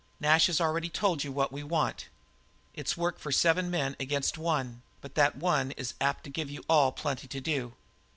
Nash has already told you what we want. It's work for seven men against one, but that one man is apt to give you all plenty to do.